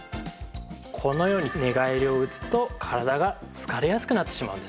このように寝返りを打つと体が疲れやすくなってしまうんですね。